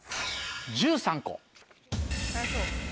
１３個。